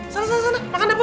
salah salah makan namun